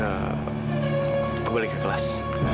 aku balik ke kelas